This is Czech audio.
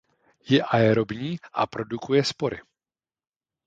Je aerobní a produkuje spory.